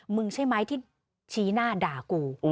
ใช่ไหมที่ชี้หน้าด่ากู